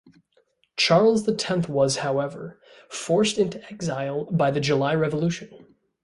Charles the Tenth was, however, forced into exile by the July Revolution.